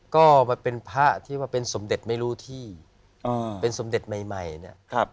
ก็มันเป็นพระที่ว่าเป็นสมเด็จไม่รู้ที่อ่าเป็นสมเด็จใหม่ใหม่เนี่ยครับ